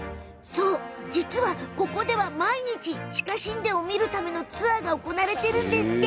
実はここでは毎日、地下神殿を見るためのツアーが行われているんですって。